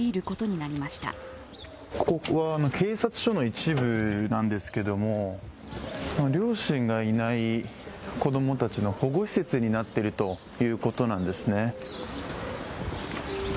ここは警察署の一部なんですけども両親がいない子供たちの保護施設になっているということなんですね。